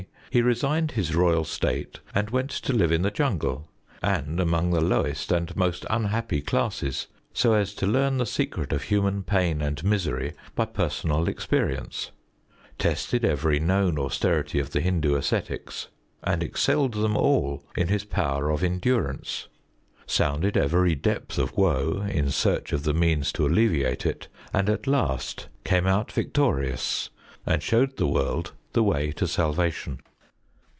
He resigned his royal state and went to live in the jungle, and among the lowest and most unhappy classes, so as to learn the secret of human pain and misery by personal experience: tested every known austerity of the Hind╠Ż┼½ ascetics and excelled them all in his power of endurance: sounded every depth of woe in search of the means to alleviate it: and at last came out victorious, and showed the world the way to salvation.